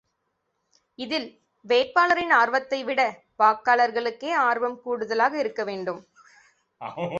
இதில் வேட்பாளரின் ஆர்வத்தை விட வாக்காளர்களுக்கே ஆர்வம் கூடுதலாக இருக்க வேண்டும்.